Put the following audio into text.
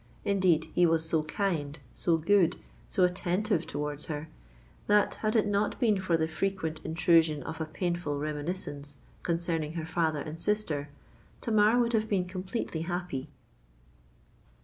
Indeed, he was so kind—so good—so attentive towards her, that, had it not been for the frequent intrusion of a painful reminiscence concerning her father and sister, Tamar would have been completely happy.